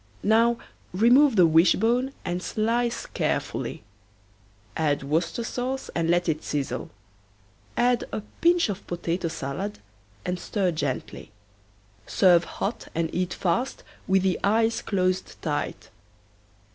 Now remove the wishbone and slice carefully. Add Wooster sauce and let it sizzle. Add a pinch of potato salad and stir gently. Serve hot and eat fast with the eyes closed tight.